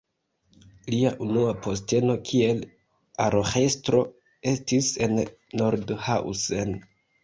Lia unua posteno kiel paroĥestro estis en Nordhausen.